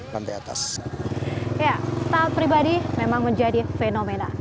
ya taat pribadi memang menjadi fenomena